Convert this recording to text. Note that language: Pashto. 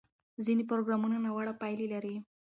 ځینې پروګرامونه ناوړه پایلې لري.